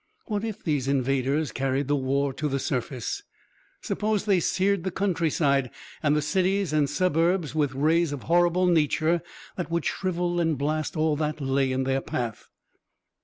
What if these invaders carried the war to the surface? Suppose they seared the countryside and the cities and suburbs with rays of horrible nature that would shrivel and blast all that lay in their path?